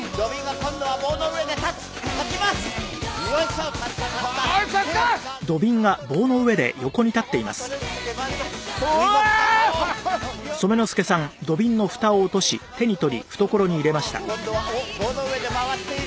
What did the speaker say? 今度はおっ棒の上で回している。